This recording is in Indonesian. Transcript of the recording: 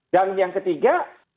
dan yang ketiga